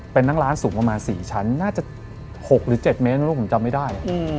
เป็นนั่งร้านสูงประมาณ๔ชั้นน่าจะ๖หรือ๗เมตรลูกผมจำไม่ได้